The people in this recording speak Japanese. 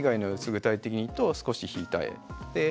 具体的にと少し引いた絵で。